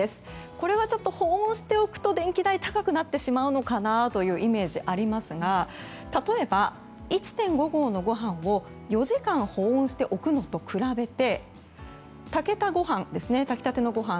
これはちょっと、保温しておくと電気代が高くなってしまうのかなというイメージがありますが例えば、１．５合のご飯を４時間保温しておくのと比べて炊き立てのご飯。